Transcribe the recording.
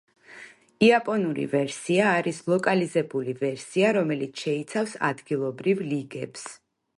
იაპონური ვერსია არის ლოკალიზებული ვერსია, რომელიც შეიცავს ადგილობრივ ლიგებს.